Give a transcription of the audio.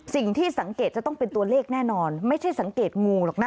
สิ่งที่สังเกตจะต้องเป็นตัวเลขแน่นอนไม่ใช่สังเกตงูหรอกนะ